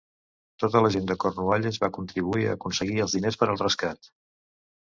Tota la gent de Cornualles va contribuir a aconseguir els diners per al rescat.